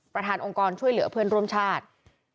ประธานองค์กรช่วยเหลือเพื่อนร่วมชาติ